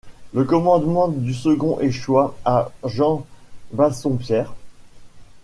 Le commandement du second échoit à Jean Bassompierre.